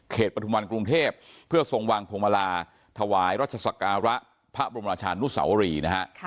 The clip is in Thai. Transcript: เขตประธุมันกรุงเทพฯเพื่อทรงวางพรมลาทวายราชศักรระพระบรมราชานุสาวรีนะครับ